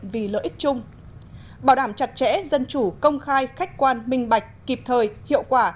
vì lợi ích chung bảo đảm chặt chẽ dân chủ công khai khách quan minh bạch kịp thời hiệu quả